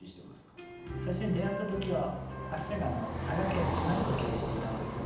最初に出会った時はアキちゃんが佐賀県でスナックを経営していたんですよ。